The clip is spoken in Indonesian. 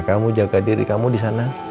kamu jaga diri kamu disana